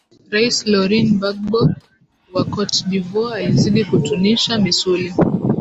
rais lauren bagbo wa cote de voire azidi kutunisha misuli